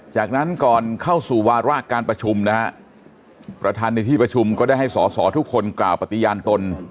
จากนั้นก่อนเข้าสู่วาระการประชุมนะฮะประธานในที่ประชุมก็ได้ให้สอสอทุกคนกล่าวปฏิญาณตน